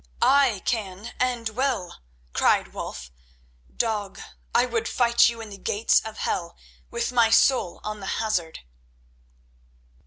"I can and will!" cried Wulf. "Dog, I would fight you in the gates of hell, with my soul on the hazard."